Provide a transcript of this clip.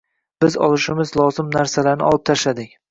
Biz olishimiz lozim narsalarni olib tashladik.